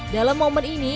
dalam momen ini